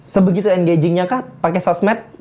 sebegitu engagingnya kah pakai sosmed